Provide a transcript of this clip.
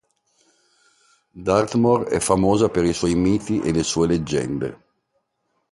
Dartmoor è famosa per i suoi miti e le sue leggende.